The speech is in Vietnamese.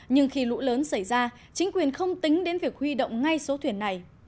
nhưng khi lũ lớn xảy ra chính quyền không tính đến việc huy động ngay số thuyền này